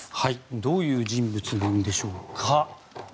どういう人物なんでしょうか。